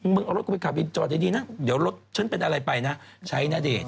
เอารถกูไปขับวินจอดดีนะเดี๋ยวรถฉันเป็นอะไรไปนะใช้ณเดชน